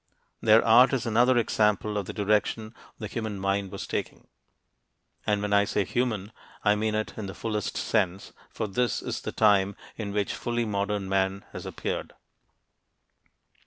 Their art is another example of the direction the human mind was taking. And when I say human, I mean it in the fullest sense, for this is the time in which fully modern man has appeared.